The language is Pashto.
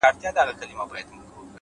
د زړه نرمي انسان محبوبوي’